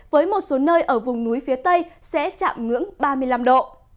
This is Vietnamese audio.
với một số nơi ở vùng núi phía tây sẽ chạm ngưỡng ba mươi năm độ